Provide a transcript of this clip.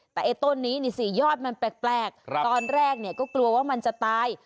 แต่ต้นนี้นี่สี่ยอดมันแปลกตอนแรกก็กลัวว่ามันจะตาย